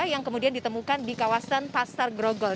yang kemudian ditemukan di kawasan pasar grogol